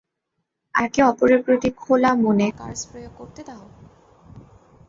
একে অপরের প্রতি খোলা মনে কার্স প্রয়োগ করতে দাও!